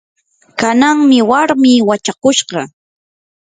kananmi warmii wachakushqa.